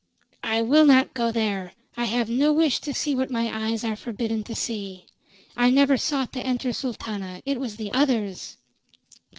"I will not go there! I have no wish to see what my eyes are forbidden to see. I never sought to enter, Sultana. It was the others!"